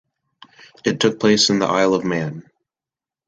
It took place in the Isle of Man.